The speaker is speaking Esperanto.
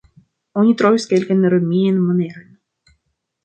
Oni trovis kelkajn romiajn monerojn.